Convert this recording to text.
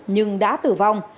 nhưng đã tử vong